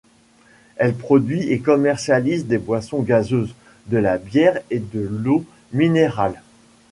Elle produit et commercialise des boisons gazeuses, de la bière et de l'eau minérale.